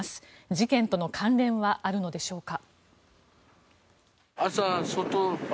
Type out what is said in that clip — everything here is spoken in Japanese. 事件との関連はあるのでしょうか。